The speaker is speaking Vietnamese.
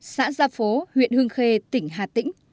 xã gia phố huyện hương khê tỉnh hà tĩnh